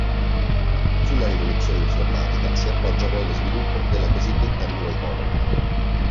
Sulla rivoluzione informatica si appoggia poi lo sviluppo della cosiddetta New economy.